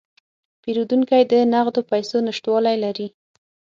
پیرودونکی د نغدو پیسو نشتوالی لري.